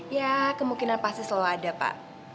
ya kemungkinan pasti selalu ada pak